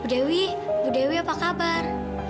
dewi bu dewi apa kabar